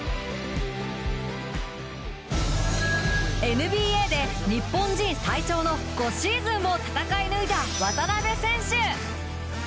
ＮＢＡで日本人最長の５シーズンを戦い抜いた渡邊選手。